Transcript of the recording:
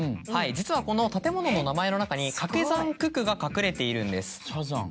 はい実はこの建物の名前の中に掛け算九九が隠れているんです。